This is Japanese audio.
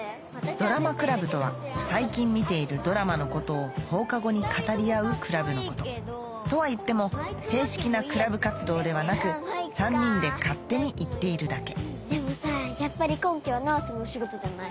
ドラマクラブとは最近見ているドラマのことを放課後に語り合うクラブのこととはいっても正式なクラブ活動ではなく３人で勝手に言っているだけでもさやっぱり今期は『ナースのお仕事』じゃない？